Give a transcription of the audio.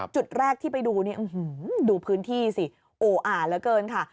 จุดแรกที่ไปดูเนี่ยดูพื้นที่สิโอ้อ่าเหลือเกินค่ะ